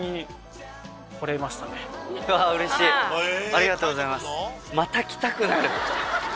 ありがとうございます。